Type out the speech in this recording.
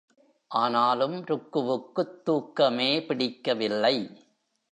ஆனாலும் ருக்குவுக்குத் தூக்கமே பிடிக்கவில்லை.